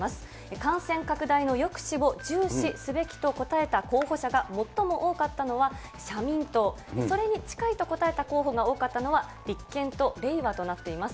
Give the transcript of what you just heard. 感染拡大の抑止を重視すべきと答えた候補者が最も多かったのは社民党、それに近いと答えた候補が多かったのは立憲とれいわとなっています。